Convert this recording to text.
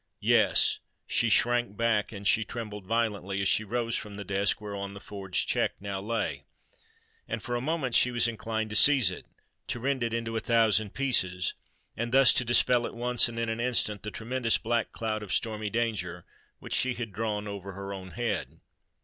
Yes—she shrank back and she trembled violently as she rose from the desk whereon the forged cheque now lay; and for a moment she was inclined to seize it—to rend it into a thousand pieces—and thus to dispel at once and in an instant the tremendous black cloud of stormy danger which she had drawn over her own head.